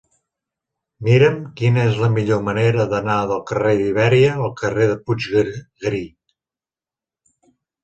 Mira'm quina és la millor manera d'anar del carrer d'Ibèria al carrer de Puiggarí.